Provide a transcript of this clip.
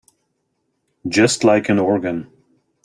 Just like an organ.